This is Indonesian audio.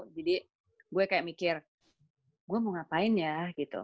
jadi gue kayak mikir gue mau ngapain ya gitu